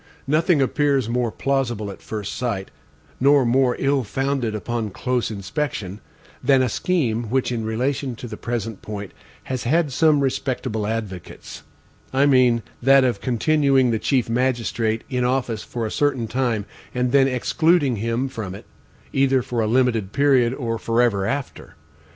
Nothing appears more plausible at first sight, nor more ill founded upon close inspection, than a scheme which in relation to the present point has had some respectable advocates I mean that of continuing the chief magistrate in office for a certain time, and then excluding him from it, either for a limited period or forever after.